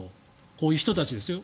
こういう人たちですよ。